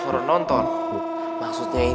selamat datang kembali ulan dari